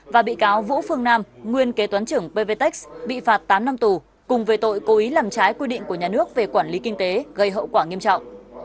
và bị cáo vũ phương nam nguyên kế toán trưởng pvtec bị phạt tám năm tù cùng về tội cố ý làm trái quy định của nhà nước về quản lý kinh tế gây hậu quả nghiêm trọng